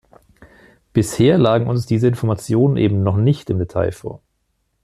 Bisher lagen uns diese Informationen eben noch nicht im Detail vor.